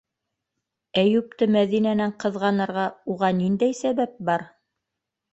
Әйүпте Мәҙинәнән ҡыҙғанырға уға ниндәй сәбәп бар?